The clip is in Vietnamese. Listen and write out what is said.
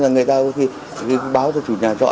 người ta có khi báo cho chủ nhà trọ